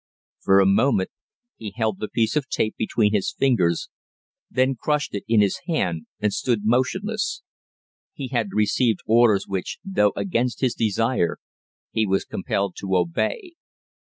For a moment he held the piece of tape between his fingers, then crushed it in his hand and stood motionless. He had received orders which, though against his desire, he was compelled to obey.